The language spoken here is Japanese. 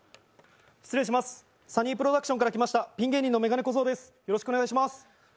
失礼します、サニープロダクションから来ましたピン芸人の眼鏡小僧です。